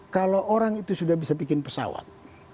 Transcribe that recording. kalau orang itu sudah bisa bikin pesawat